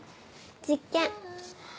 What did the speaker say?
実験。